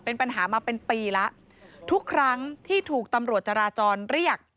เป็นปัญหามาเป็นปีแล้วทุกครั้งที่ถูกตำรวจจราจรเรียก